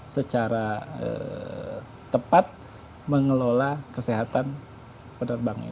secara tepat mengelola kesehatan penerbangan